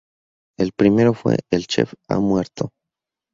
El primero fue "El chef ha muerto".